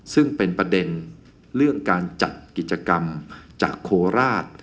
ซึ่งเป็นประเด็นเรื่องการจัดกิจกรรมจากโคราช